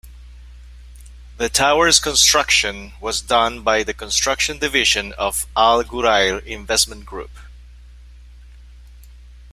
The tower's construction was done by the construction division of Al Ghurair Investment group.